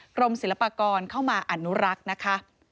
กรมศิลปากรเข้ามาอนุรักษ์นะคะ